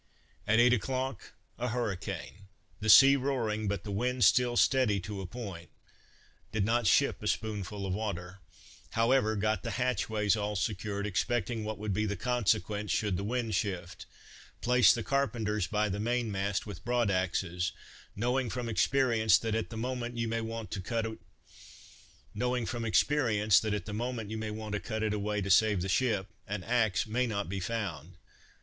At eight o'clock a hurricane; the sea roaring, but the wind still steady to a point; did not ship a spoonful of water. However, got the hatchways all secured, expecting what would be the consequence, should the wind shift; placed the carpenters by the mainmast, with broad axes, knowing, from experience, that at the moment you may want to cut it away to save the ship, an axe may not be found.